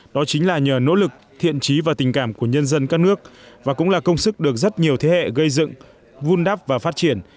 đó chính là nhờ nỗ lực thiện trí và tình cảm của nhân dân các nước và cũng là công sức được rất nhiều thế hệ gây dựng vun đắp và phát triển